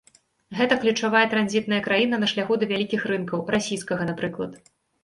Гэта ключавая транзітная краіна на шляху да вялікіх рынкаў, расійскага, напрыклад.